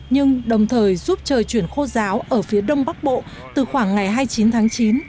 nhưng đồng thời giúp trời chuyển khô giáo ở phía đông bắc bộ từ khoảng ngày hai mươi chín tháng chín